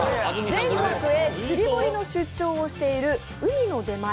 全国へ釣堀の出張をしている海の出前